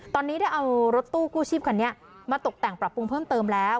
ตอนนี้ได้เอารถตู้กู้ชีพคันนี้มาตกแต่งปรับปรุงเพิ่มเติมแล้ว